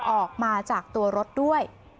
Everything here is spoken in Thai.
ออกมาจากตัวรถด้วย